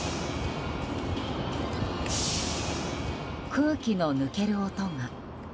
空気の抜ける音が。